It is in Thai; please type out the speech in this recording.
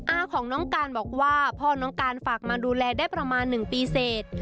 อาของน้องการบอกว่าพ่อน้องการฝากมาดูแลได้ประมาณ๑ปีเสร็จ